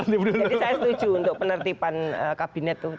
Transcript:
jadi saya setuju untuk penertiban kabinet itu